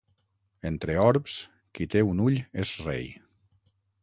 Entre orbs, qui té un ull és rei.